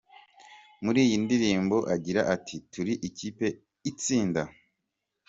Muri iyi ndirimbo agira ati “Turi ikipe itsinda.